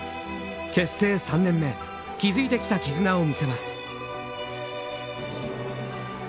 結成３年目築いてきた絆を見せます。